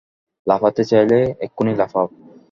লাফাতে চাইলে এক্ষুণি লাফাও।